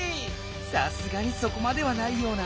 さすがにそこまではないような。